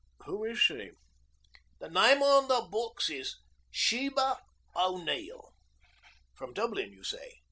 "Who is she?" "The name on the books is Sheba O'Neill." "From Dublin, you say."